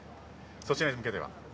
そちらに向けては？